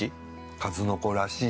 数の子らしい。